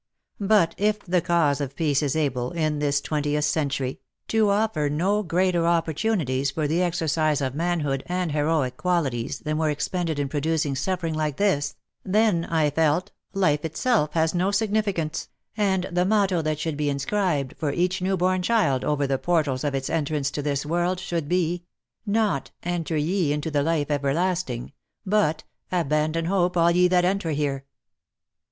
But if the cause of peace is able, in this twentieth century, to offer no greater opportunities for the exercise of manhood and heroic qualities than were expended In producing suffering like this, then, I felt, life itself has no significance, and the motto that should be inscribed for each new born child over the portals of its entrance to this world should be, not '' Enter ye into the life everlasting," but "Abandon hope all ye that enter here."